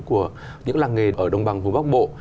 của những làng nghề ở đồng bằng vùng bắc bộ